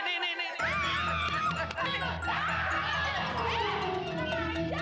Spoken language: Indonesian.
untung bawa tisu